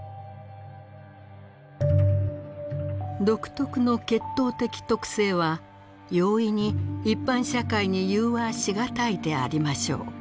「独特の血統的特性は容易に一般社会に融和し難いでありましょう」。